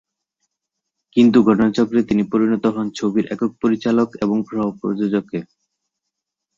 কিন্তু ঘটনাচক্রে তিনি পরিণত হন ছবির একক পরিচালক এবং সহ-প্রযোজকে।